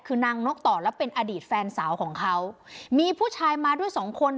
คือนางนกต่อและเป็นอดีตแฟนสาวของเขามีผู้ชายมาด้วยสองคน